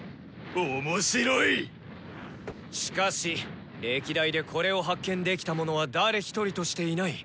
しかし歴代でこれを発見できた者は誰一人としていない。